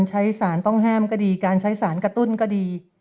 ใช้สารต้องห้ามก็ดีการใช้สารกระตุ้นก็ดี